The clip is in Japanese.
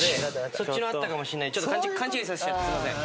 そっちの「あったかもしれない」勘違いさせちゃってすいません。